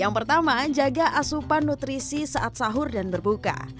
yang pertama jaga asupan nutrisi saat sahur dan berbuka